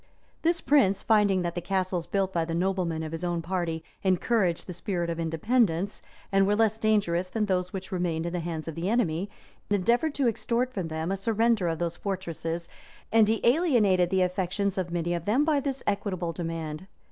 This prince, finding that the castles built by the noblemen of his own party encouraged the spirit of independence, and were little less dangerous than those which remained in the hands of the enemy, endeavored to extort from them a surrender of those fortresses and he alienated the affections of many of them by this equitable demand.